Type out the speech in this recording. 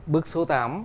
bức số tám